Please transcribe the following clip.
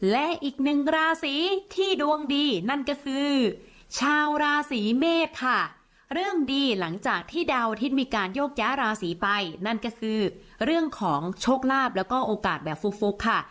และอีกหนึ่งราศีที่ดวงดีนั่นก็คือชาวราศีเมษค่ะเรื่องดีหลังจากที่ดาวอาทิตย์มีการโยกย้าราศีไปนั่นก็คือเรื่องของโชคลาภแล้วก็โอกาสแบบฟุกค่ะ